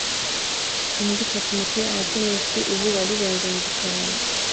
Imbwa ifata umupira wa tennis izuba rirenze mu gikari